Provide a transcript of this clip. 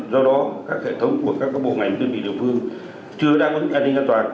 do đó các hệ thống của các bộ ngành đơn vị địa phương chưa đáp ứng an ninh an toàn